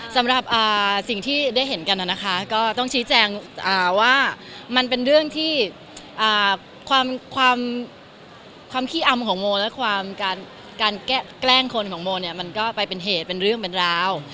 สำหรับสิ่งที่ได้เห็นกันนะคะก็ต้องชี้แจงว่ามันเป็นเรื่องที่ความขี้อำของโมและการแกล้งคนของโมเนี่ยมันก็ไปเป็นเหตุเป็นเรื่องเป็นราว